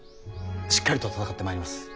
しっかりと戦ってまいります。